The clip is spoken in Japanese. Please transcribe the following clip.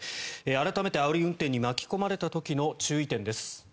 改めて、あおり運転に巻き込まれた時の注意点です。